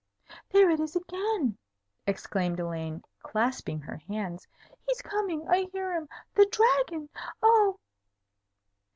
"There it is again!" exclaimed Elaine, clasping her hands. "He's coming! I hear him. The Dragon! Oh!"